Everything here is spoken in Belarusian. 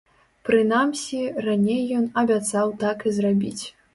Прынамсі, раней ён абяцаў так і зрабіць.